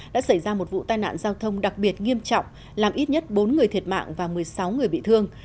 đã xảy ra một vụ tai nạn giao thông đặc biệt nghiêm trọng làm ít nhất bốn người thiệt mạng và một mươi sáu người bị thương